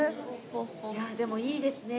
いやでもいいですね。